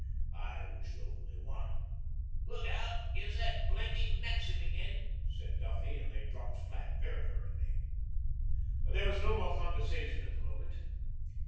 I was the only one.' 'Look out 'ere's that blanky maxim again,' said Duffy, and they dropped flat very hurriedly. There was no more conversation at the moment.